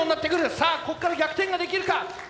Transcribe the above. さあこっから逆転ができるか。